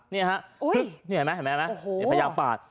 นี่นะฮะนี่เห็นไหมพยายามปาด